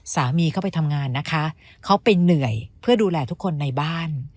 สามีเขาไปทำงานนะคะเขาไปเหนื่อยเพื่อดูแลทุกคนในบ้าน